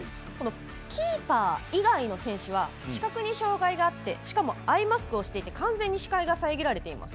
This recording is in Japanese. キーパー以外の選手は視覚に障がいがあってしかもアイマスクをしていて完全に視界が遮られています。